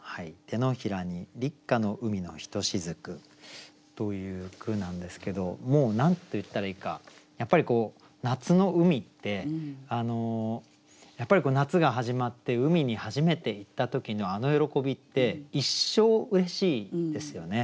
「掌に立夏の海のひと雫」。という句なんですけどもう何て言ったらいいかやっぱり夏の海って夏が始まって海に初めて行った時のあの喜びって一生うれしいですよね。